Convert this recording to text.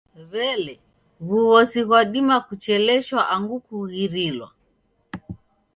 W'elee, w'ughosi ghwadima kucheleshwa angu kughirilwa?